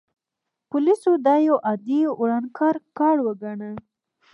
پولیسو دا یو عادي ورانکار کار وګاڼه.